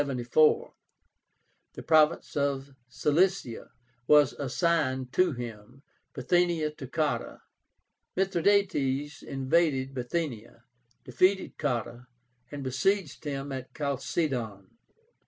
The province of Cilicia was assigned to him, Bithynia to Cotta. Mithradátes invaded Bithynia, defeated Cotta, and besieged him at Chalcédon.